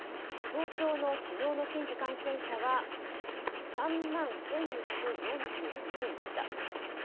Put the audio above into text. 東京の昨日の新規感染者は３万１２４７人でした。